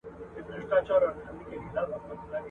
په اسلامي تاریخ کي ښځو ستر رول درلود.